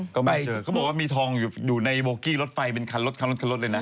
ก็ไม่เจอเขาบอกว่ามีทองอยู่ในโบกี้รถไฟเป็นคันรถคันรถคันรถเลยนะ